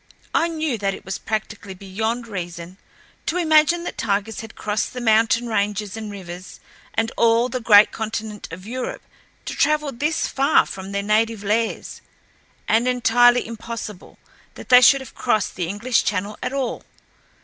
I knew that it was practically beyond reason to imagine that tigers had crossed the mountain ranges and rivers and all the great continent of Europe to travel this far from their native lairs, and entirely impossible that they should have crossed the English Channel at all.